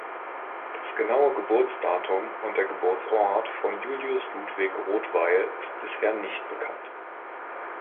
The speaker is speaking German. Das genaue Geburtsdatum und der Geburtsort von Julius Ludwig Rothweil ist bisher nicht bekannt.